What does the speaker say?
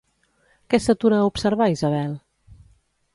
Què s'atura a observar Isabel?